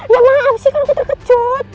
ya maaf sih kan aku terkejut